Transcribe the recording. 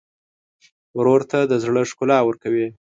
ورور ته د زړه ښکلا ورکوې.